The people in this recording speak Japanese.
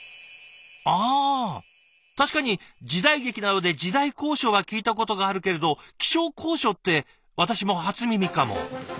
あ確かに時代劇などで「時代考証」は聞いたことがあるけれど「気象考証」って私も初耳かも。